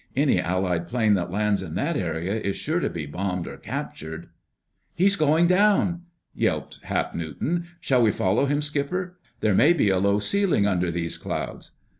Any Allied plane that lands in this area is sure to be bombed or captured...." "He's going down!" yelped Hap Newton. "Shall we follow him, Skipper? There may be a low ceiling under these clouds."